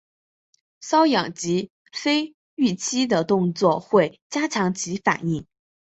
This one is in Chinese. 搔痒及非预期的动作会加强其反应。